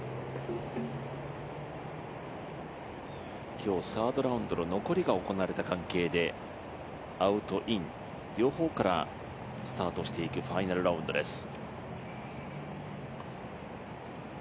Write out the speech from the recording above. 今日、サードラウンドの残りが行われた関係でアウト・イン、両方からスタートしていくファイナルラウンドです。